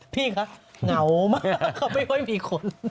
พี่คะเหงามากไม่ค่อยมีคน